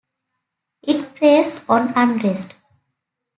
It preys on unrest.